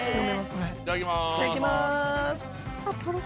これいただきます。